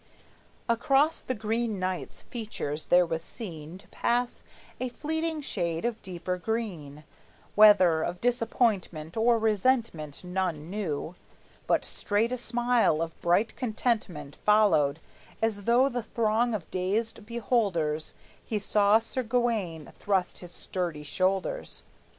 Across the Green Knight's features there was seen To pass a fleeting shade of deeper green, Whether of disappointment or resentment None knew; but straight a smile of bright contentment Followed, as through the throng of dazed beholders He saw Sir Gawayne thrust his sturdy shoulders.